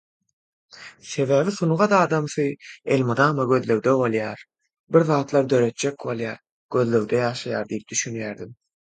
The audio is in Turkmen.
Sebäbi sungat adamsy elmydam gözlegde bolýar, bir zatlar döretjek bolýar, gözlegde ýaşaýar diýip düşünýärdim.